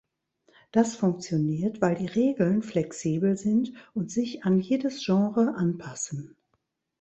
Das funktioniert, weil die Regeln flexibel sind und sich an jedes Genre anpassen.